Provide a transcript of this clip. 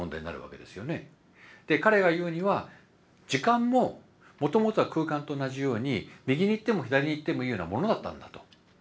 で彼が言うには時間ももともとは空間と同じように右に行っても左に行ってもいいようなものだったんだと。